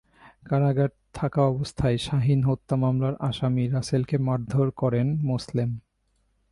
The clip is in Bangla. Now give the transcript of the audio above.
কারাগারে থাকা অবস্থায় শাহীন হত্যা মামলার আসামি রাসেলকে মারধর করেন মোসলেম।